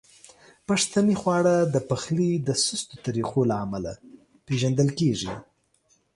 پښتني خواړه د پخلي د سستو طریقو له امله پیژندل کیږي.